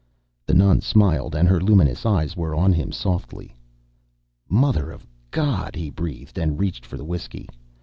The nun smiled, and her luminous eyes were on him softly. "Mother of God!" he breathed, and reached for the whiskey.